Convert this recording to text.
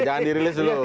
jangan dirilis dulu